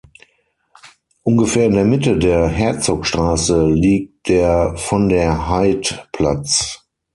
Ungefähr in der Mitte der Herzogstraße liegt der Von-der-Heydt-Platz.